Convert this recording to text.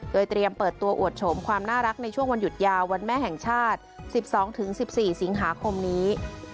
โดยเตรียมเปิดตัวอวดโฉมความน่ารักในช่วงวันหยุดยาววันแม่แห่งชาติ๑๒๑๔สิงหาคมนี้